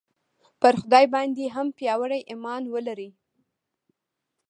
پر خدای باندې هم پیاوړی ایمان ولرئ